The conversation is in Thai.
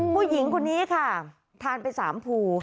ผู้หญิงคนนี้ค่ะทานไป๓ภู